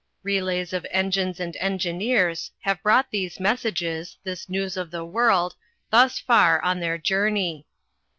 Relays of engines and engineers have brought these messages, this news of the world, thus far on their journey.